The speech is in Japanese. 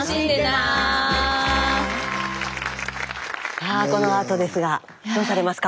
さあこのあとですがどうされますか？